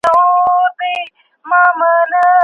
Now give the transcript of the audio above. د ټولني مشر بايد ډېر پرهېزګار وي.